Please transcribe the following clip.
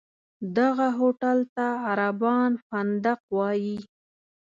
دغه هوټل ته عربان فندق وایي.